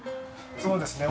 そうですね。